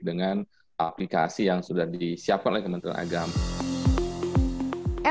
dengan aplikasi yang sudah disiapkan oleh kementerian agama